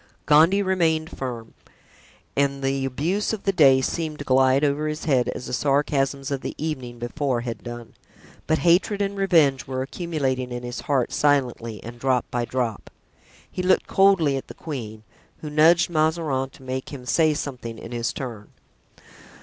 Gondy remained firm, and the abuse of the day seemed to glide over his head as the sarcasms of the evening before had done; but hatred and revenge were accumulating in his heart silently and drop by drop. He looked coldly at the queen, who nudged Mazarin to make him say something in his turn.